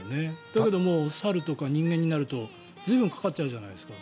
だけど、もう猿とか人間になると随分かかっちゃうじゃないですか。